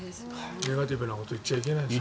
ネガティブなこと言っちゃいけないんだね。